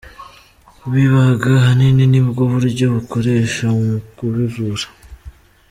Kubibaga ahanini nibwo buryo bukoresha mu kubivura.